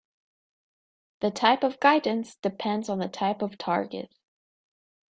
The type of guidance depends on the type of target.